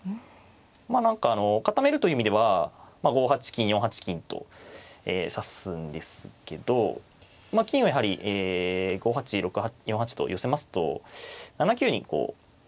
まあ何か固めるという意味では５八金４八金と指すんですけど金はやはり５八４八と寄せますと７九にこう打ち込まれる隙が生じるので